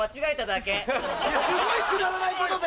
すごいくだらないことで。